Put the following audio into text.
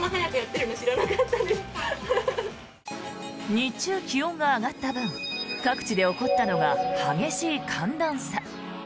日中、気温が上がった分各地で起こったのが激しい寒暖差。